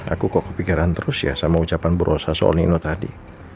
aku kok kepikiran terus ya sama ucapan bu rosa soal nino tadi